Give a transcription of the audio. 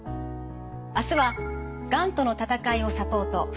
明日は「がんとの闘いをサポート」